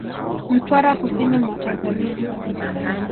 Mtwara Kusini mwa Tanzania